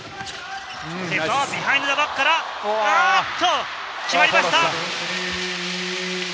ビハインドザバックから決まりました！